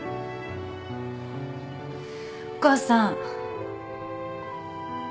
お母さん。